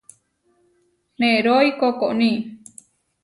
Nerói koʼkóni.